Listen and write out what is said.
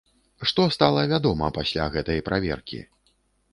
Што стала вядома пасля гэтай праверкі?